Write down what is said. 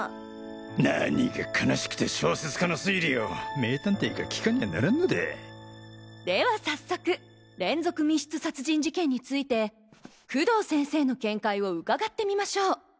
何が悲しくて小説家の推理を名探偵が聞かんにゃならんのだでは早速連続密室殺人事件について工藤先生の見解を伺ってみましょう。